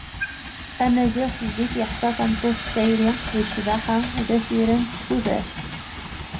Amaziɣ si zik yeḥsa tameṭṭut d tayri, d ccbaḥa, d asirem, d tudert.